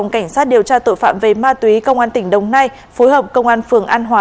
cảnh sát điều tra tội phạm về ma túy công an tỉnh đồng nai phối hợp công an phường an hòa